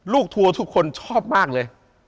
ทัวร์ทุกคนชอบมากเลย